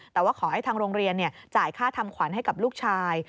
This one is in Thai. แต่ว่าขอให้ทางโรงเรียนจ่ายค่าทำขวัญให้กับลูกชาย